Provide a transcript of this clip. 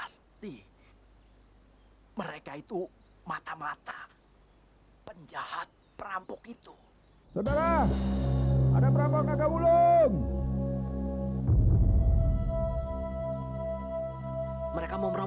selamatkan barang barang kita yang di rumah